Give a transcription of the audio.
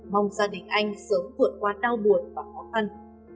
mong gia đình anh sớm vượt qua đau buồn và khó khăn